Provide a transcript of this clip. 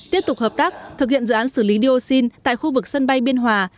tiếp tục hợp tác thực hiện dự án xử lý dioxin tại khu vực sân bay biên hòa